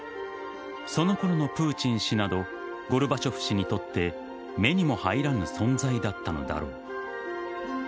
そのころのプーチン氏などゴルバチョフ氏にとって目にも入らぬ存在だったのだろう。